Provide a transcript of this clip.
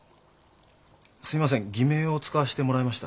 すみません偽名を使わせてもらいました。